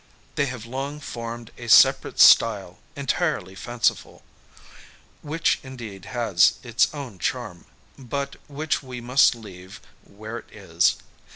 They have long formed a separate style, entirely fanciful, which in deed has its own charm, but which we must leave where it is.